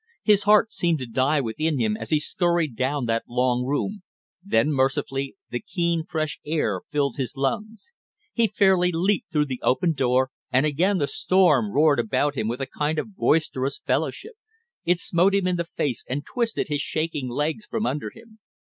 His heart seemed to die within him as he scurried down that long room; then, mercifully, the keen fresh air filled his lungs. He fairly leaped through the open door, and again the storm roared about him with a kind of boisterous fellowship. It smote him in the face and twisted his shaking legs from under him.